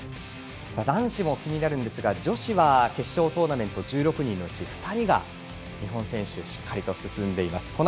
男子も気になるんですが、女子は決勝トーナメント、１６人のうち２人が日本選手、進んでいます。